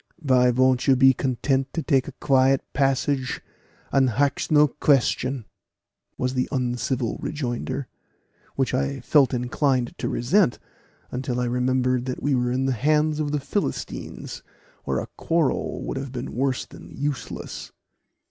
"Vy vont you be content to take a quiet passage and hax no question?" was the uncivil rejoinder, which I felt inclined to resent, until I remembered that we were in the hands of the Philistines, where a quarrel would have been worse than useless.